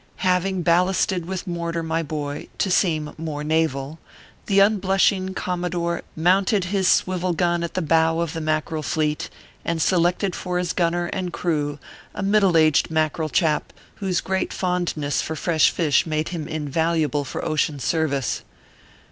Having ballasted with mortar, my boy, to seem more naval, the unblushing commodore mounted his swivel gun at the bow of the Mackerel Fleet, and selected for his gunner and crew a middle aged Mack erel chap, whose great fondness for fresh fish made him invaluable for ocean service.